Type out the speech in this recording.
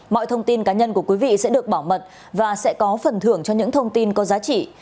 mọi thông tin cá nhân của quý vị sẽ được bảo mật và sẽ có phần thưởng cho những thông tin có giá trị